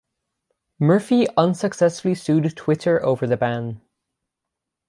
Murphy unsuccessfully sued Twitter over the ban.